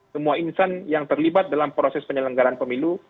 semua insan yang terlibat dalam proses penyelenggaran pemilu